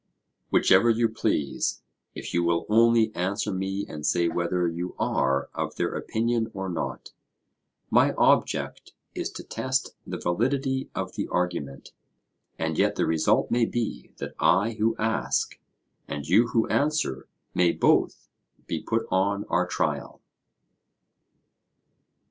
Whichever you please, if you will only answer me and say whether you are of their opinion or not. My object is to test the validity of the argument; and yet the result may be that I who ask and you who answer may both be put on our trial.